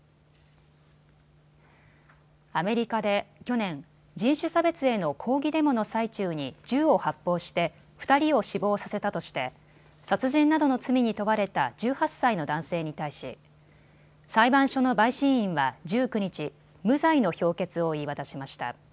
アメリカで去年、人種差別への抗議デモの最中に銃を発砲して２人を死亡させたとして殺人などの罪に問われた１８歳の男性に対し裁判所の陪審員は１９日、無罪の評決を言い渡しました。